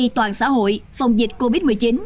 y toàn xã hội phòng dịch covid một mươi chín